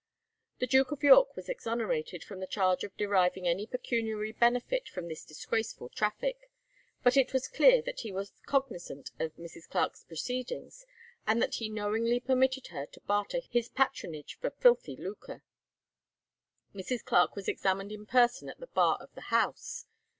The Duke of York was exonerated from the charge of deriving any pecuniary benefit from this disgraceful traffic; but it was clear that he was cognizant of Mrs. Clarke's proceedings, and that he knowingly permitted her to barter his patronage for filthy lucre. Mrs. Clarke was examined in person at the bar of the house.